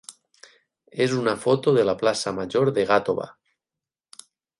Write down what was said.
és una foto de la plaça major de Gàtova.